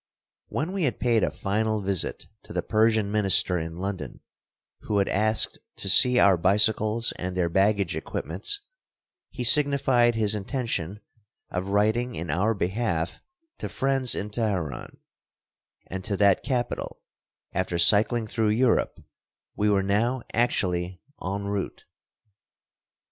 When we had paid a final visit to the Persian minister in London, who had asked to see our bicycles and their baggage equipments, he signified his intention of writing in our behalf to friends in Teheran; and to that capital, after cycling through Europe, we were now actually en route.